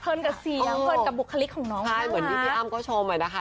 เผลินกับสีเราเผลินกับบุคลิกของน้องด้วยค่ะ